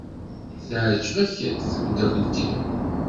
Teɛjeb-ak tmeddakelt-iw?